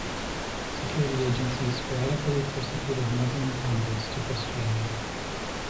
Security agencies sporadically persecuted Muslim converts to Christianity.